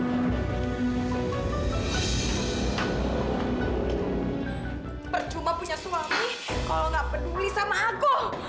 percuma punya suami kalau nggak peduli sama agung